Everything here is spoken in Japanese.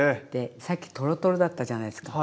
さっきトロトロだったじゃないですか。